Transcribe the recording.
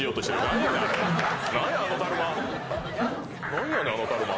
何や⁉あのだるま！